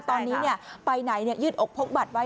ตอนนี้ไปไหนยืดอกพกบัตรไว้